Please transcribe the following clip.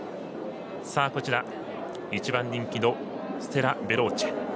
こちら１番人気のステラヴェローチェ。